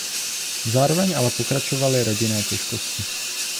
Zároveň ale pokračovaly rodinné těžkosti.